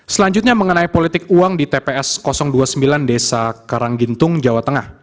selanjutnya mengenai politik uang di tps dua puluh sembilan desa karanggintung jawa tengah